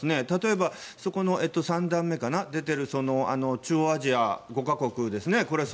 例えば、そこの３段目に出ている中央アジア５か国ですね。